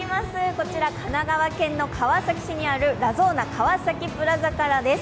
こちら、神奈川県川崎市にあるラゾーナ川崎プラザからです。